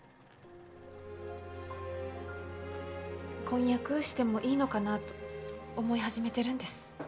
婚約してもいいのかなと思い始めてるんです。